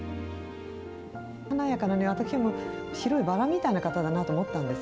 華やかなね、私ね、白いバラみたいな方だなと思ったんです。